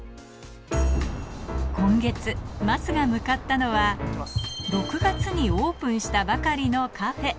今月、桝が向かったのは、６月にオープンしたばかりのカフェ。